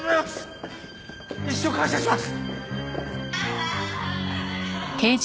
一生感謝します！